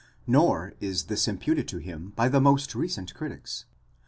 589 Nor is this imputed to him by the most recent critics.